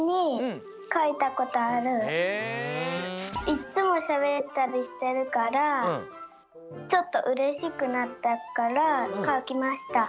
いっつもしゃべったりしてるからちょっとうれしくなったからかきました。